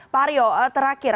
pak aryo terakhir